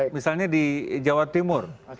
misalnya di jawa timur